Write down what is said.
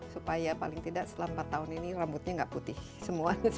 supaya paling tidak selama empat tahun ini rambutnya nggak putih semua